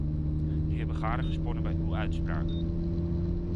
Die hebben garen gesponnen bij uw uitspraken.